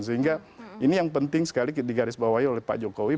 sehingga ini yang penting sekali di garis bawahi oleh pak jokowi